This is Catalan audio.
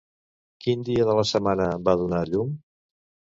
Quin dia de la setmana va donar a llum?